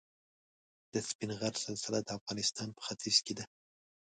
د سپین غر سلسله د افغانستان په ختیځ کې ده.